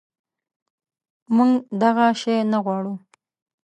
منږ دغه شی نه غواړو